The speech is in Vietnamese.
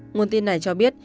nguồn tin này cho biết